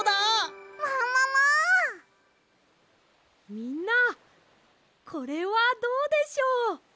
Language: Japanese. みんなこれはどうでしょう？